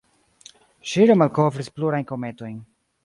Ŝi remalkovris plurajn kometojn.